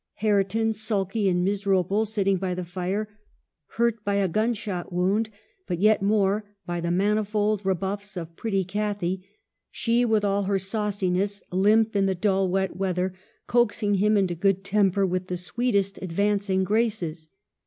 Hareton, sulky and miserable, sitting by the fire, hurt by a gunshot wound, but yet more by the manifold rebuffs of pretty Cathy. She, with all her sauciness, limp in the dull, wet weather, coaxing him into good temper with the sweetest advancing graces.